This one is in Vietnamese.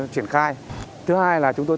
chuyển khai thứ hai là chúng tôi